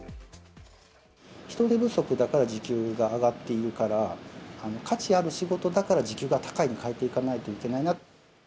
人手不足だから時給が上がっているから、価値ある仕事だから時給が高いに変えていかないといけないなと。